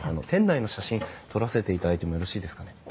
店内の写真撮らせていただいてもよろしいですかね？